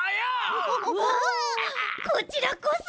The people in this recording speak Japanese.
うわこちらこそ！